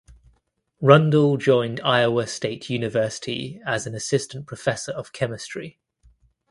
Rundle joined Iowa State University as an assistant professor of chemistry.